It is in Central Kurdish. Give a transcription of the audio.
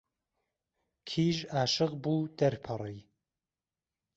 کیژ عاشق بوو دهرپهڕی